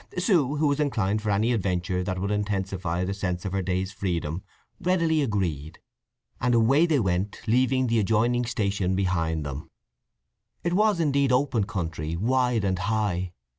Sue, who was inclined for any adventure that would intensify the sense of her day's freedom, readily agreed; and away they went, leaving the adjoining station behind them. It was indeed open country, wide and high.